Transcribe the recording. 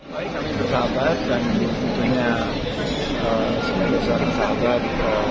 hai kami berkawan dan ini sebuah suara sahabat